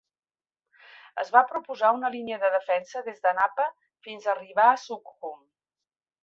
Es va proposar una línia de defensa des d'Anapa fins a arribar a Sukhum.